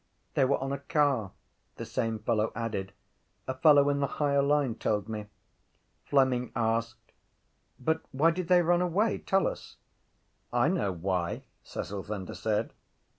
They were on a car. The same fellow added: —A fellow in the higher line told me. Fleming asked: —But why did they run away, tell us? —I know why, Cecil Thunder said.